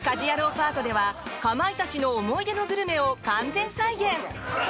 パートではかまいたちの思い出のグルメを完全再現。